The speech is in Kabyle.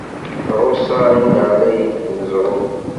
Ɛuṣan Win Ɛlayen deg uneẓruf.